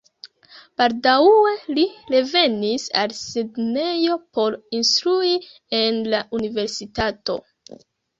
Baldaŭe li revenis al Sidnejo por instrui en la universitato.